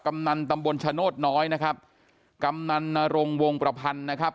กำนันตำบลชโนธน้อยนะครับกำนันนรงวงประพันธ์นะครับ